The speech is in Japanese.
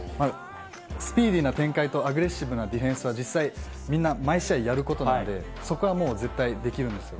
スピーディーな展開とアグレッシブなディフェンスは実際みんな毎試合やることなんで、そこはもう絶対できるんですよ。